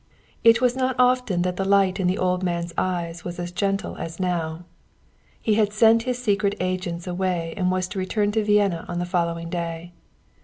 It was not often that the light in the old man's eyes was as gentle as now. He had sent his secret agents away and was to return to Vienna on the following day.